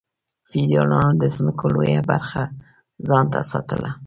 فیوډالانو د ځمکو لویه برخه ځان ته ساتله.